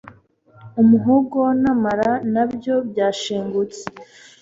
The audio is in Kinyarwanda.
umuhogo n'amara na byo byashengutse